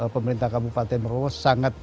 pemerintah kabupaten merowok sangat